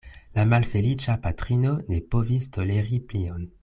La malfeliĉa patrino ne povis toleri plion.